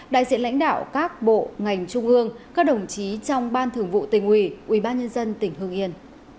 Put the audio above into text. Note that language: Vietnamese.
đại diện lãnh đạo các bộ ngành trung ương các đồng chí trong ban thưởng vụ tỉnh ủy ủy ban nhân dân tỉnh hương yên